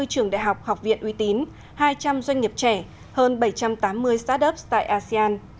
hai mươi trường đại học học viện uy tín hai trăm linh doanh nghiệp trẻ hơn bảy trăm tám mươi start up tại asean